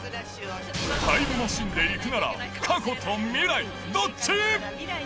タイムマシンで行くなら、過去と未来、どっち？